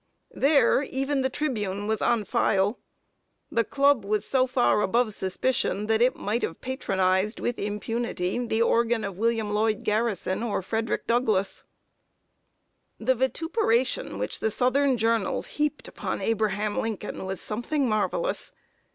There, even The Tribune was on file. The club was so far above suspicion that it might have patronized with impunity the organ of William Lloyd Garrison or Frederick Douglass. [Sidenote: REBEL NEWSPAPERS AND PRESIDENT LINCOLN.] The vituperation which the southern journals heaped upon Abraham Lincoln was something marvelous.